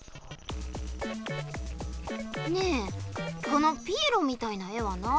ねえこのピエロみたいな絵は何？